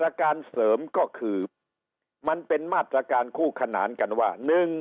การเสริมก็คือมันเป็นมาตรการคู่ขนานกันว่า